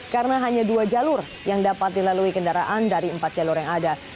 karena hanya dua jalur yang dapat dilalui kendaraan dari empat jalur yang ada